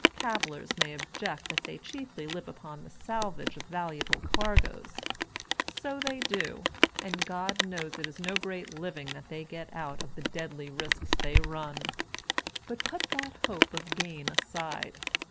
Cavillers may object that they chiefly live upon the salvage of valuable cargoes. So they •do, and God knows it is no great living that they get, out of the deadly risks they run. But put that hope of gain aside.